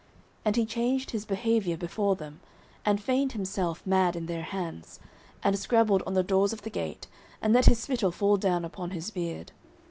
09:021:013 And he changed his behaviour before them, and feigned himself mad in their hands, and scrabbled on the doors of the gate, and let his spittle fall down upon his beard.